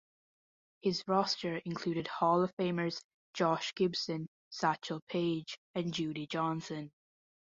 His roster included Hall of Famers Josh Gibson, Satchel Paige, and Judy Johnson.